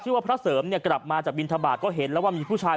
ว่าพระเสริมเนี่ยกลับมาจากบินทบาทก็เห็นแล้วว่ามีผู้ชาย